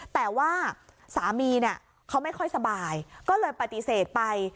แต่ว่าสามีเนี่ยเขาไม่ค่อยสบายก็เลยปฏิเสธไป